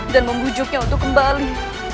dan membujuknya untuk kembali